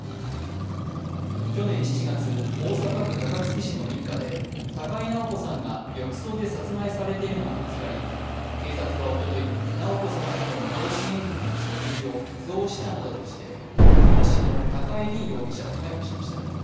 去年７月、大阪府高槻市の民家で高井直子さんが浴槽で殺害されているのが見つかり、警察はおととい直子さんとの養子縁組の書類を偽造したなどとして養子の高井凜容疑者を逮捕しました。